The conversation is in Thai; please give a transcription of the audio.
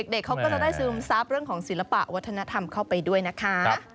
เด็กเขาก็จะได้ซึมซับเรื่องของศิลปะวัฒนธรรมเข้าไปด้วยนะคะ